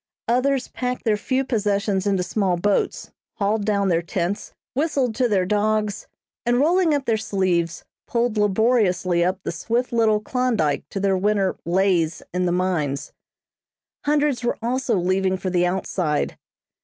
Others packed their few possessions into small boats, hauled down their tents, whistled to their dogs, and rolling up their sleeves, pulled laboriously up the swift little Klondyke to their winter "lays" in the mines. Hundreds were also leaving for the outside.